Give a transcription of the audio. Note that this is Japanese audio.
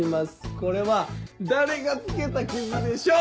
これは誰がつけた傷でしょう？